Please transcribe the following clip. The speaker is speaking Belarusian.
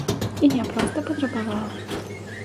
І не проста патрабаваў.